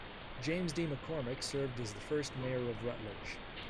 James D. McCormack served as the first Mayor of Rutledge.